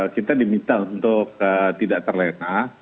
kita diminta untuk tidak terlena